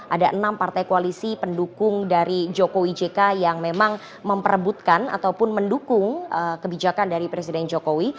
ada enam partai koalisi pendukung dari jokowi jk yang memang memperebutkan ataupun mendukung kebijakan dari presiden jokowi